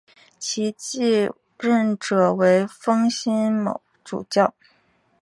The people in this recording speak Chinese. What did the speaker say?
其继任者为封新卯主教。